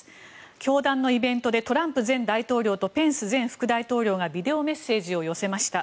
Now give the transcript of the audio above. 教団のイベントでトランプ前大統領とペンス前副大統領がビデオメッセージを寄せました。